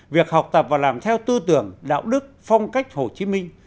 việc học tập và làm theo tư tưởng đạo đức phong cách hồ chí minh